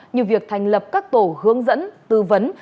như việc thành lập các tổ hướng dẫn tư vấn